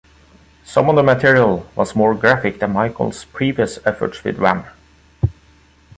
Some of the material was more graphic than Michael's previous efforts with Wham!